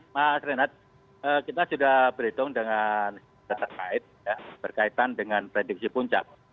mas renat kita sudah perhitung dengan berkaitan dengan prediksi puncak